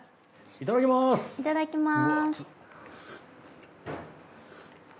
いただきます。